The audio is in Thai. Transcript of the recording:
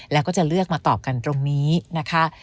แล้วก็จะเลือกมาตอบกันตรงนี้นะคะ